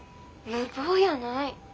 無謀やない！